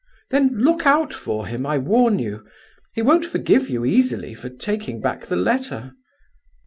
"Then look out for him, I warn you! He won't forgive you easily, for taking back the letter."